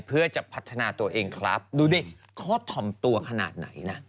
เพื่อจะพัฒนาตัวเองครับดูดิเขาถ่อมตัวขนาดไหนนะ